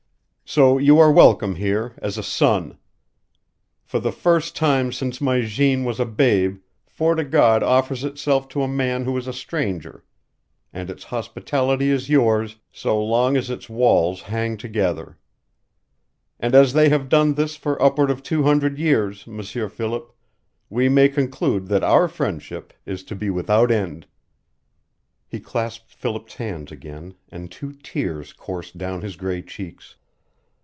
So you are welcome here, as a son. For the first time since my Jeanne was a babe Fort o' God offers itself to a man who is a stranger and its hospitality is yours so long as its walls hang together. And as they have done this for upward of two hundred years, M'sieur Philip, we may conclude that our friendship is to be without end." He clasped Philip's hands again, and two tears coursed down his gray cheeks.